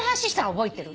覚えてる？